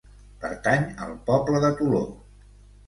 Pertany al poble de Toló.